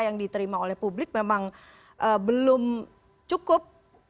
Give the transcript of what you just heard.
yang diterima oleh publik memang belum cukup